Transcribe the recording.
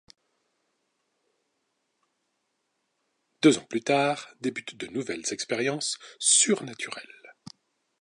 Deux ans plus tard débutent de nouvelles expériences surnaturelles.